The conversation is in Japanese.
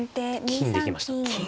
金で行きました。